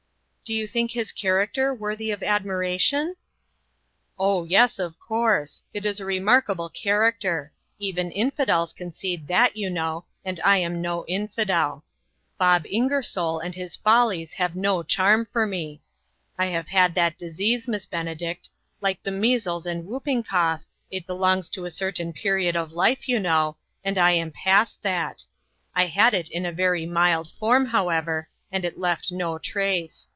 " Do you think his character worthy of admiration ?"" Oh, yes, of course ; it is a remarkable character. Even infidels concede that, you know ; and I am no infidel. Bob Ingersoll LOGIC AND LABOR. 1/3 and his follies have no charm for me. I have had that disease, Miss Benedict ; like the measles and whooping cough, it belongs to a certain period of life, you know, and I am past that. I had it in a very mild form, however, and it left no trace.